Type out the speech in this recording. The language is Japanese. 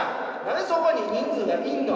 何でそこに人数がいんの？